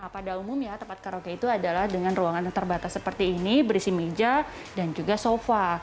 pada umumnya tempat karaoke itu adalah dengan ruangan terbatas seperti ini berisi meja dan juga sofa